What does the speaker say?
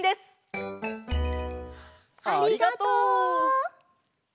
ありがとう！